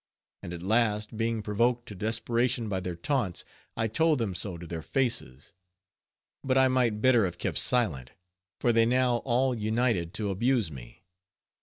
And at last, being provoked to desperation by their taunts, I told them so to their faces; but I might better have kept silent; for they now all united to abuse me.